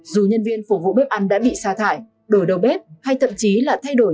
dù nhân viên phục vụ bếp ăn đã bị xa thải đổi đầu bếp hay thậm chí là thay đổi